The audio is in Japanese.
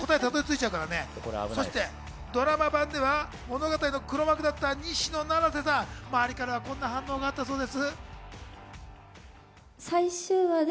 ドラマ版では物語の黒幕だった西野七瀬さん、周りからはこんな反応があったそうです。